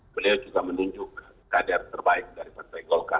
saya juga menunjukkan kader terbaik dari partai golkar